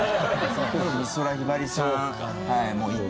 美空ひばりさん一択。